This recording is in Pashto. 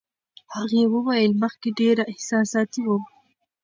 هغې وویل، مخکې ډېره احساساتي وم.